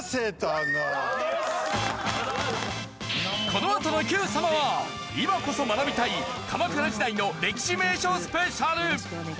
このあとの『Ｑ さま！！』は今こそ学びたい鎌倉時代の歴史・名所スペシャル